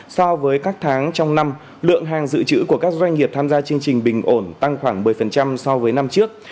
so với các tháng trong năm lượng hàng dự trữ của các doanh nghiệp tham gia chương trình bình ổn tăng khoảng một mươi so với năm trước